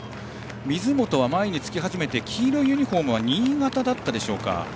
水本は前につき始めて黄色いユニホームは新潟だったでしょうか。